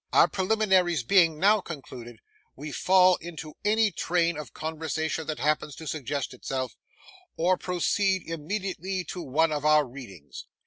Our preliminaries being now concluded, we fall into any train of conversation that happens to suggest itself, or proceed immediately to one of our readings.